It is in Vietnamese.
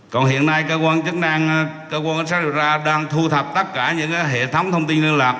còn hiện nay cơ quan chức năng cơ quan cảnh sát điều tra đang thu thập tất cả những hệ thống thông tin liên lạc